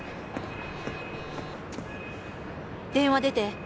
「電話出て」